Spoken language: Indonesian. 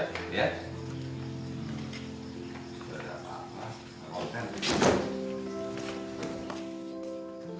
kalau ada apa apa kalau ada konten